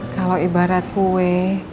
kalau ibarat kue